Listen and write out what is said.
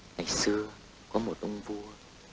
này xưa có một ông vua